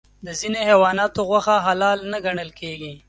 د ځینې حیواناتو غوښه حلال نه ګڼل کېږي.